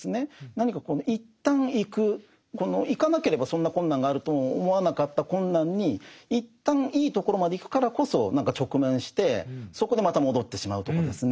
何か一旦行く行かなければそんな困難があるとも思わなかった困難に一旦いいところまで行くからこそ何か直面してそこでまた戻ってしまうとかですね。